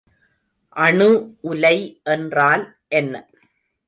அணு உலை என்றால் என்ன?